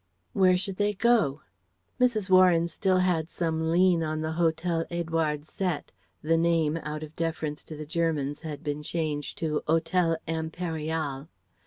Where should they go? Mrs. Warren still had some lien on the Hotel Édouard Sept (the name, out of deference to the Germans, had been changed to Hotel Impérial).